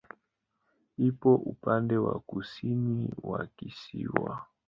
Iko upande wa kusini wa kisiwa.